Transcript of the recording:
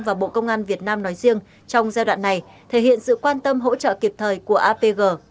và bộ công an việt nam nói riêng trong giai đoạn này thể hiện sự quan tâm hỗ trợ kịp thời của apg